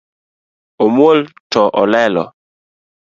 Omuol to olelo